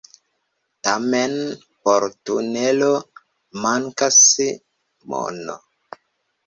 Tamen por tunelo mankas mono.